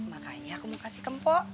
makanya aku mau kasih kempok